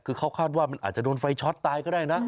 คือเขาคาดว่ามันอาจจะโดนไฟช็อตตายก็ได้นะ